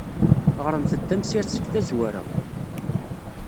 Ɣremt-d tamsirt seg tazwara.